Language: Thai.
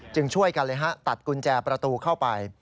ช่วยกันเลยฮะตัดกุญแจประตูเข้าไป